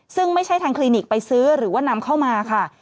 ซึ่งไม่ใช่ทางคลินิกไปซื้อหรือว่านำเข้ามาค่ะ